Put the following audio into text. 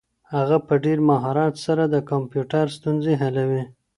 هغه په ډېر مهارت سره د کمپيوټر ستونزې حلوي.